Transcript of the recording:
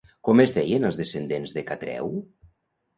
Com es deien els descendents de Catreu?